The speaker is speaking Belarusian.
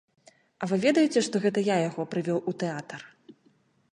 А вы ведаеце, што гэта я яго прывёў у тэатр?